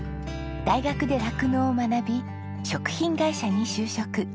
大学で酪農を学び食品会社に就職。